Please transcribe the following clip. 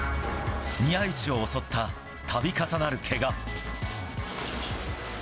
宮市を襲ったたび重なるけが。